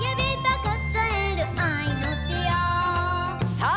さあ